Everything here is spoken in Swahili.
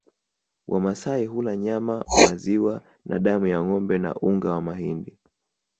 Wamasai hula nyama maziwa na damu ya ngombe na unga wa mahindi